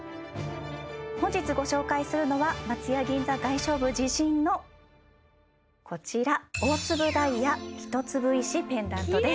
本日ご紹介するのは松屋銀座外商部自信のこちら大粒ダイヤ一粒石ペンダントです